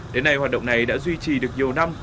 đến nay hoạt động này đã duy trì được nhiều năm